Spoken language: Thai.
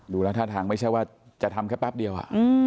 ดูแล้วท่าทางไม่ใช่ว่าจะทำแค่แป๊บเดียว